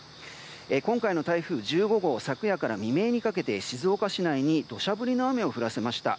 今回の台風１５号昨夜から未明にかけて静岡市内に土砂降りの雨を降らせました。